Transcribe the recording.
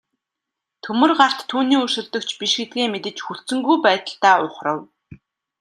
Төмөр гарт түүний өрсөлдөгч биш гэдгээ мэдэж хүлцэнгүй байдалтай ухрав.